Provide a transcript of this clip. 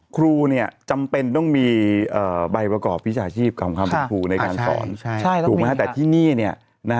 ครูนี่จำเป็นต้องมีใบประกอบพิจาชีพกลับพลังพลังภูทร์ในการสอน